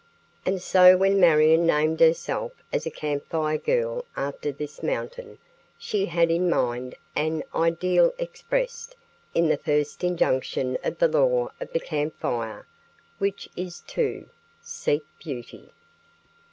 And so when Marion named herself as a Camp Fire Girl after this mountain she had in mind an ideal expressed in the first injunction of the Law of the Camp Fire, which is to "Seek Beauty."